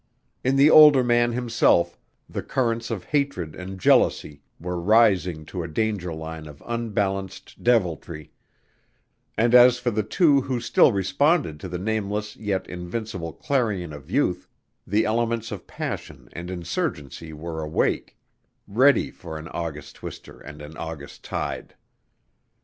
In the older man himself the currents of hatred and jealousy were rising to a danger line of unbalanced deviltry and as for the two who still responded to the nameless yet invincible clarion of youth, the elements of passion and insurgency were awake, ready for an August twister and an August tide.